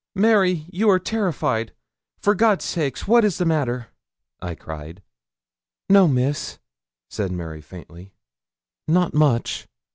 'Mary, you are terrified; for God's sake, what is the matter?' I cried. 'No, Miss,' said Mary, faintly, 'not much.'